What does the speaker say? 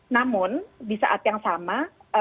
namun di saat yang sama